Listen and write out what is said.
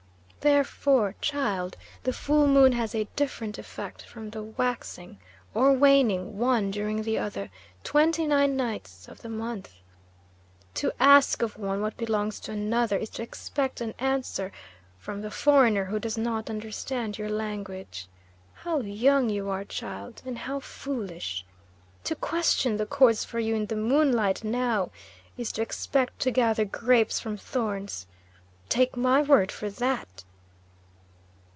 Therefore, child, the full moon has a different effect from the waxing or waning one during the other twenty nine nights of the month. To ask of one what belongs to another is to expect an answer from the foreigner who does not understand your language. How young you are, child, and how foolish! To question the cords for you in the moonlight now is to expect to gather grapes from thorns. Take my word for that!"